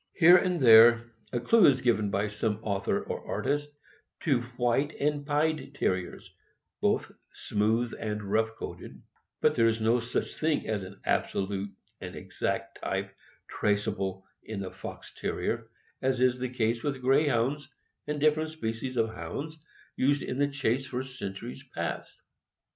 Here and there a clew is given by some author or artist to white and pied Terriers, both smooth and rough coated ; but there is no such thing as an absolute and exact type trace able in the Fox Terrier, as is the case with Greyhounds and different species of Hounds used in the chase for cent uries past.